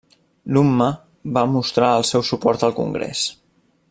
L'Umma va mostrar el seu suport al Congrés.